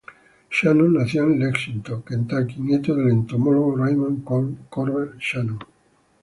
Shannon nació en Lexington, Kentucky, nieto del entomólogo Raymond Corbett Shannon.